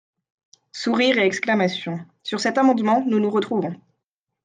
(Sourires et exclamations.) Sur cet amendement, nous nous retrouvons.